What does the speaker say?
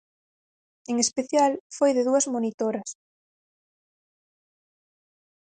En especial foi de dúas monitoras.